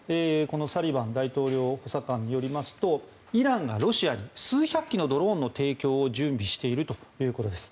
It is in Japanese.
サリバン大統領補佐官によりますとイランがロシアに数百機のドローンの提供を準備しているということです。